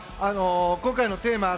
今回のテーマあ